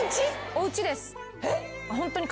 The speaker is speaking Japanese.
おうちです。